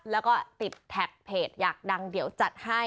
แล้วก็ติดแท็กเพจอยากดังเดี๋ยวจัดให้